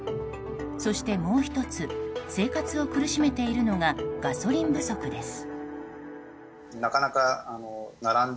そして、もう１つ生活を苦しめているのがガソリン不足です。